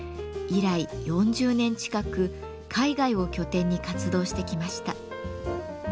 以来４０年近く海外を拠点に活動してきました。